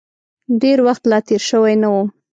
ډېر وخت لا تېر شوی نه و.